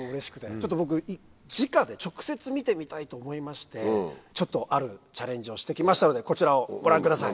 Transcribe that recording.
ちょっと僕じかで直接見てみたいと思いましてあるチャレンジをして来ましたのでこちらをご覧ください。